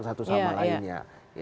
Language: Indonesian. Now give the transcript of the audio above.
satu sama lainnya